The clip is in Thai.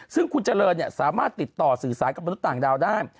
ซึ่งคุณเจริญสามารถติดต่อสื่อสารกับมนุษย์ต่างดาวได้